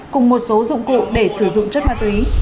cùng một số dụng cụ để sử dụng chất ma túy